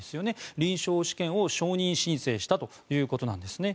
臨床試験を承認申請したということなんですね。